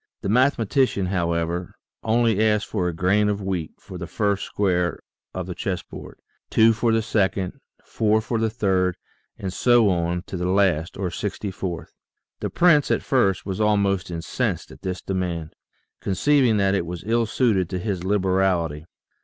The mathematician, however, only asked for a grain of wheat for the first square of the chess board, two for the second, four for the third, and so on to the last, or sixty fourth. The prince at first was almost incensed at this demand, conceiving that it was ill suited to his liberal ity.